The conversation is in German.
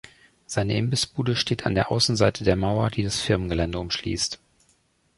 Seine Imbissbude steht an der Außenseite der Mauer, die das Firmengelände umschließt.